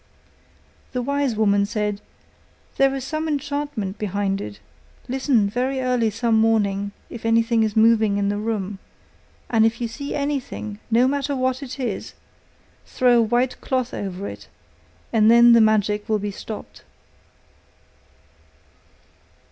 The wise woman said: 'There is some enchantment behind it, listen very early some morning if anything is moving in the room, and if you see anything, no matter what it is, throw a white cloth over it, and then the magic will be stopped.